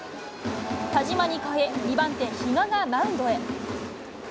田嶋に代え、２番手、比嘉がマウンドへ。